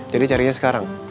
jadi carinya sekarang